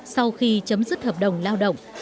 sau khi chấm dứt hợp đồng lao động